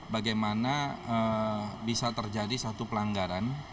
bagaimana bisa terjadi satu pelanggaran